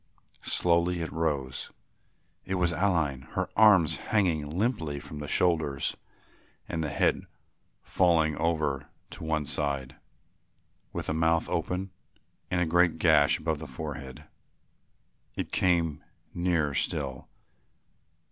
Slowly it rose; it was Aline, her arms hanging limply from the shoulders and the head falling over to one side, with the mouth open and a great gash above the forehead. It came nearer still.